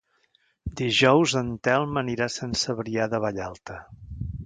Dijous en Telm anirà a Sant Cebrià de Vallalta.